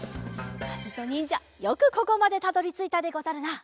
かずとにんじゃよくここまでたどりついたでござるな。